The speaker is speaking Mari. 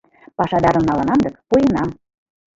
Пашадарым налынам дык, пуэнам.